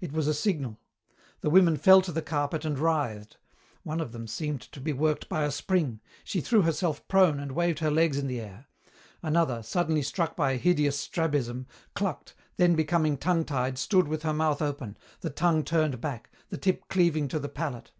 It was a signal. The women fell to the carpet and writhed. One of them seemed to be worked by a spring. She threw herself prone and waved her legs in the air. Another, suddenly struck by a hideous strabism, clucked, then becoming tongue tied stood with her mouth open, the tongue turned back, the tip cleaving to the palate.